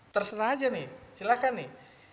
terserah aja nih silahkan nih